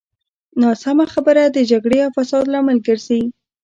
ناسمه خبره د جګړې او فساد لامل ګرځي.